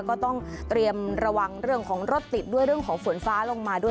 ก็ต้องเตรียมระวังเรื่องของรถติดด้วยเรื่องของฝนฟ้าลงมาด้วย